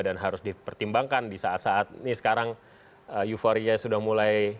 dan harus dipertimbangkan di saat saat ini sekarang euforia sudah mulai